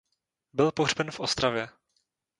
Byl pohřben v Ostravě.